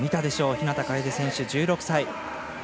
日向楓選手、１６歳。